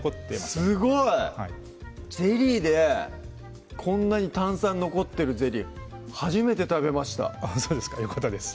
すごい！ゼリーでこんなに炭酸残ってるゼリー初めて食べましたそうですかよかったです